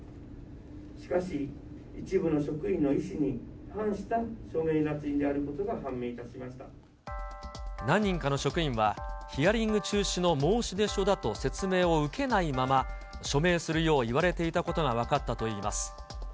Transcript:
しかし一部の職員の意思に反した署名なつ印であることが判明いた何人かの職員は、ヒアリング中止の申出書だと説明を受けないまま、署名するよう言われていたことが分かったといいます。